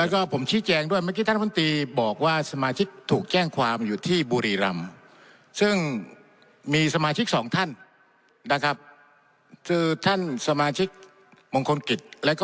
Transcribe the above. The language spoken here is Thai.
ครับโอเคครับเชิญกัน